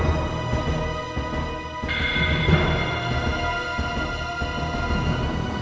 mbak p siin